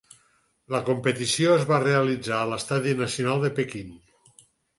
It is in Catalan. La competició es va realitzar a l'Estadi Nacional de Pequín.